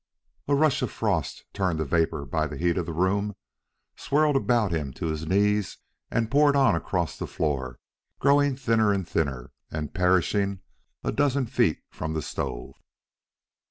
A rush of frost, turned to vapor by the heat of the room, swirled about him to his knees and poured on across the floor, growing thinner and thinner, and perishing a dozen feet from the stove.